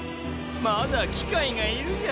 まだ機械がいるじゃない。